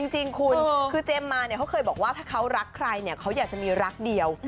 จริงคุณคือเจมส์มาเนี่ยเขาเคยบอกว่าถ้าเขารักใครเนี่ยเขาอยากจะมีรักเดียว